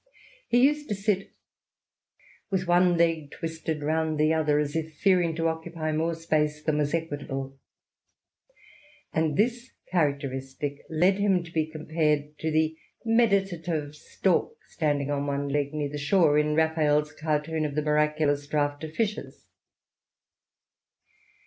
He used to sit with one leg twisted round the other, as if fearing to occupy more space than was equitable ;" and this characteristic led him to be compared to the meditative stork standing on one leg near the shore, in Raphael's cartoon of the Miraculous Draught of Fishes.